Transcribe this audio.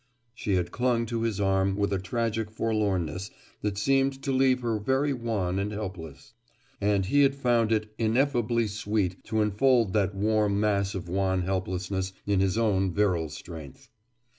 She had clung to his arm with a tragic forlornness that seemed to leave her very wan and helpless. And he had found it ineffably sweet to enfold that warm mass of wan helplessness in his own virile strength.